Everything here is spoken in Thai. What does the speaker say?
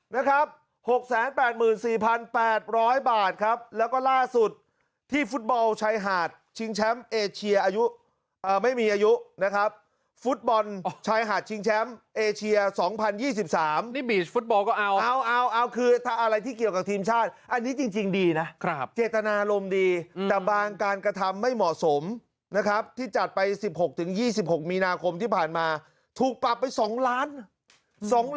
นะครับ๖๘๔๘๐๐บาทครับแล้วก็ล่าสุดที่ฟุตบอลชายหาดชิงแชมป์เอเชียอายุไม่มีอายุนะครับฟุตบอลชายหาดชิงแชมป์เอเชีย๒๐๒๓นี่บีชฟุตบอลก็เอาเอาคือถ้าอะไรที่เกี่ยวกับทีมชาติอันนี้จริงดีนะครับเจตนารมณ์ดีแต่บางการกระทำไม่เหมาะสมนะครับที่จัดไป๑๖๒๖มีนาคมที่ผ่านมาถูกปรับไป๒ล้าน